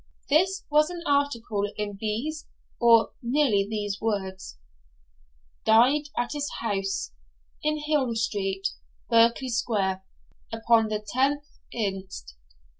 This was an article in these, or nearly these words: 'Died at his house, in Hill Street, Berkeley Square, upon the 10th inst.